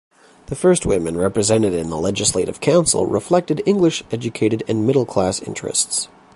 The first women representatives in the Legislative Council reflected English-educated and middle-class interests.